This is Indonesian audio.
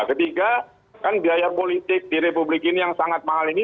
ketiga kan biaya politik di republik ini yang sangat mahal ini